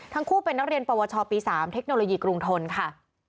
ทั้งคู่เป็นนักเรียนปวชปี๓เทคโนโลยีกรุงทนค่ะ